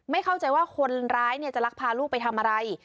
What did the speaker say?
เข้าใจว่าคนร้ายจะลักพาลูกไปทำอะไร